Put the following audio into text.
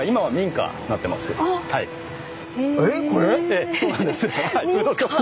ええそうなんですよ。